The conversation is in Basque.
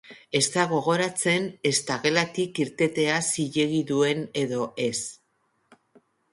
Ez da gogoratzen ezta gelatik irtetea zilegi duen edo ez.